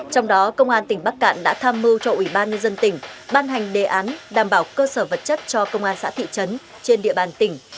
trong đó công an tỉnh bắc cạn đã tham mưu cho ủy ban nhân dân tỉnh ban hành đề án đảm bảo cơ sở vật chất cho công an xã thị trấn trên địa bàn tỉnh